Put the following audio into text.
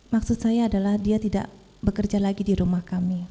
maksud saya adalah dia tidak bekerja lagi di rumah kami